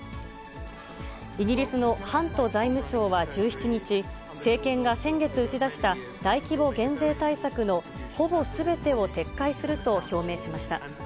イギリスのハント財務相は１７日、政権が先月打ち出した大規模減税対策のほぼすべてを撤回すると表明しました。